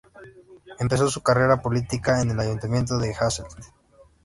Empezó su carrera política en el ayuntamiento de Hasselt.